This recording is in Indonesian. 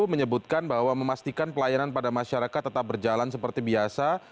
menyebutkan bahwa memastikan pelayanan pada masyarakat tetap berjalan seperti biasa